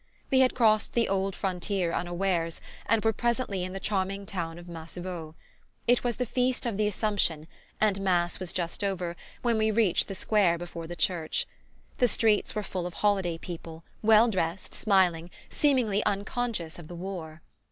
We had crossed the old frontier unawares, and were presently in the charming town of Massevaux. It was the Feast of the Assumption, and mass was just over when we reached the square before the church. The streets were full of holiday people, well dressed, smiling, seemingly unconscious of the war.